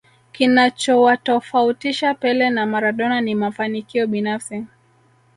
kinachowatofautisha pele na maradona ni mafanikio binafsi